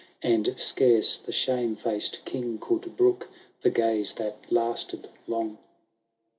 And scarce the shame faced King could brook The gaze that lasted long.